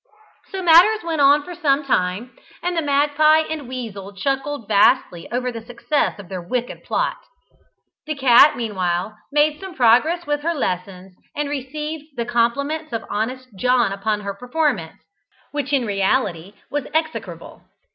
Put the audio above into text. So matters went on for some time, and the magpie and weasel chuckled vastly over the success of their wicked plot. The cat, meanwhile, made some progress with her lessons, and received the compliments of honest John upon her performance, which in reality was execrable.